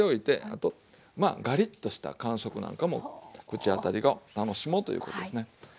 あとまあガリッとした感触なんかも口当たりを楽しもうということですね。